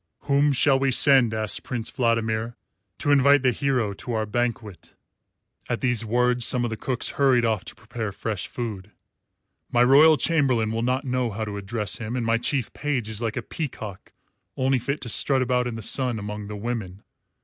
"Whom shall we send," asked Prince Vladimir, "to invite the hero to our banquet?" (At these words some of the cooks hurried off to prepare fresh food.) "My royal chamberlain will not know how to address him, and my chief page is like a peacock only fit to strut about in the sun among the women.